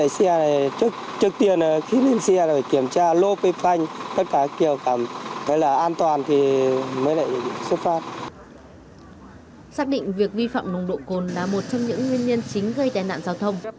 xác định việc vi phạm nồng độ cồn là một trong những nguyên nhân chính gây tai nạn giao thông